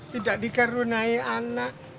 tidak dikerunai anak